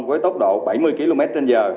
với tốc độ bảy mươi kmh